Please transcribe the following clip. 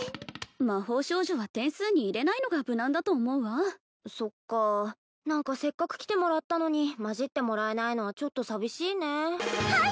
魔法少女は点数に入れないのが無難だと思うわそっか何かせっかく来てもらったのにまじってもらえないのはちょっと寂しいねはい！